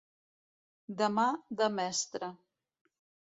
De mà de mestre.